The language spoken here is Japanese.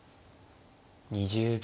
２０秒。